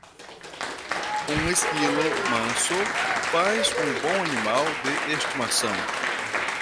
Um esquilo manso faz um bom animal de estimação.